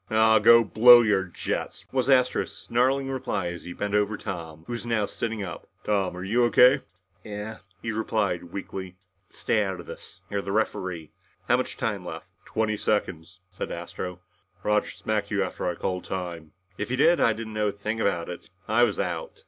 "Ahhh go blow your jets!" was Astro's snarling reply as he bent over Tom, who was now sitting up. "Tom, are you O.K.?" "Yeah yeah," he replied weakly. "But stay out of this. You're the referee. How much time left?" "Twenty seconds," said Astro. "Roger smacked you after I called time." "If he did, I didn't know a thing about it. I was out."